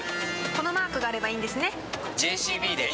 このマークがあればいいんですね。